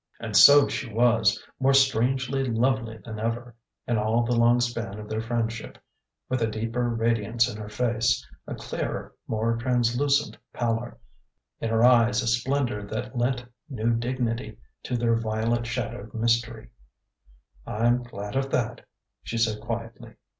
And so she was more strangely lovely than ever in all the long span of their friendship: with a deeper radiance in her face, a clearer, more translucent pallor, in her eyes a splendour that lent new dignity to their violet shadowed mystery. "I'm glad of that," she said quietly.